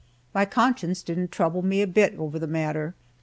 My conscience didn't trouble me a bit over the matter.